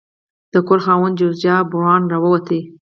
د کور خاوند جوزیا براون راووت.